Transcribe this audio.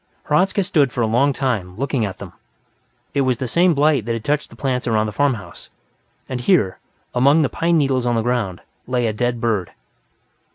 Hradzka stood for a long time, looking at them. It was the same blight that had touched the plants around the farmhouse. And here, among the pine needles on the ground, lay a dead bird.